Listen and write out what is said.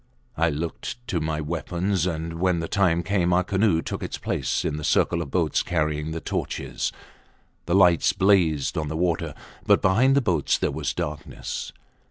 I looked to my weapons, and when the time came our canoe took its place in the circle of boats carrying the torches. The lights blazed on the water, but behind the boats there was darkness.